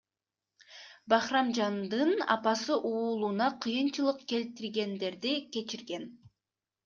Бахрамжандын апасы уулуна кыйынчылык келтиргендерди кечирген.